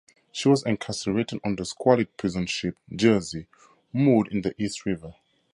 She was incarcerated on the squalid prison ship "Jersey", moored in the East River.